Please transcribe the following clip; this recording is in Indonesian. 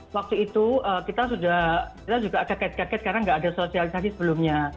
waktu itu kita sudah kaget kaget karena nggak ada sosialisasi sebelumnya